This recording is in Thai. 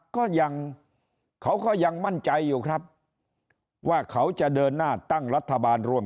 ก็ยังเขาก็ยังมั่นใจอยู่ครับว่าเขาจะเดินหน้าตั้งรัฐบาลรวม